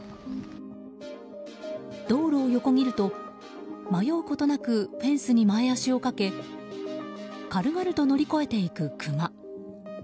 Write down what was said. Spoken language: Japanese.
道路を横切ると迷うことなくフェンスに前足をかけ軽々と乗り越えていくクマ。